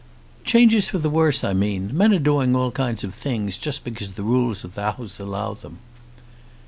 "Changes for the worse, I mean. Men are doing all kinds of things, just because the rules of the House allow them."